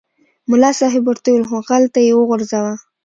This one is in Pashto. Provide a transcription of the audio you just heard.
ملا صاحب ورته وویل هوغلته یې وغورځوه.